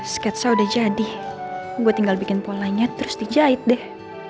sketsa udah jadi gue tinggal bikin polanya terus dijahit deh